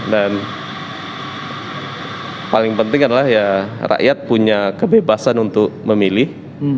dan paling penting adalah ya rakyat punya kebebasan untuk memilih